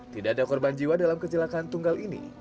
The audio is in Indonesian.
tidak ada korban jiwa dalam kecelakaan tunggal ini